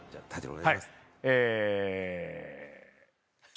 お願いします。